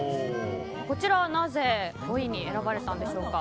こちらはなぜ５位に選ばれたんでしょうか。